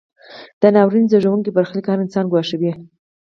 دا ناورین زیږوونکی برخلیک هر انسان ګواښي.